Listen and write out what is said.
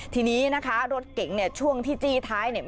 ทีนี้นะคะรถเก่งเนี่ยช่วงที่จี้ท้ายเนี่ย